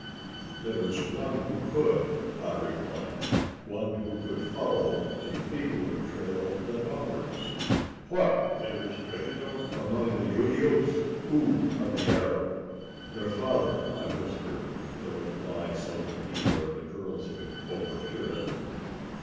"There is one who could," I replied; "one who could follow a feebler trail than ours." "What! A rastreador among these Judios! Who, cavallero?" "Their father!" I whispered the reply, so that neither of the girls should overhear it.